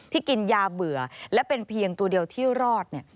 กินยาเบื่อและเป็นเพียงตัวเดียวที่รอด